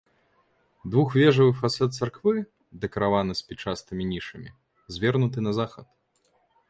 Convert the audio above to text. Двухвежавы фасад царквы, дэкараваны спічастымі нішамі, звернуты на захад.